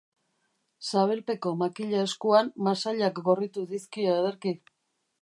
Sabelpeko makila eskuan, masailak gorritu dizkio ederki.